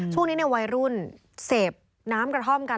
ช่วงนี้เนี่ยวัยรุ่นเสพน้ำกระท่อมกัน